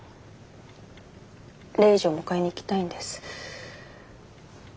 レイジを迎えに行きたいんです。